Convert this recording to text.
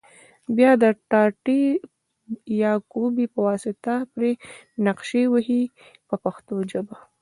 بیا د ټاټې یا کوبې په واسطه پرې نقش وهي په پښتو ژبه.